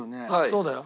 そうだよ。